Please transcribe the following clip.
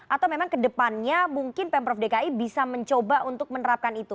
atau memang kedepannya mungkin pemprov dki bisa mencoba untuk menerapkan itu